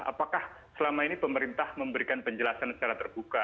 apakah selama ini pemerintah memberikan penjelasan secara terbuka